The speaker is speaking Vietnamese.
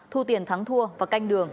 thu tiền thắng thua và canh đường